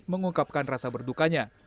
mengungkapkan rasa berdukanya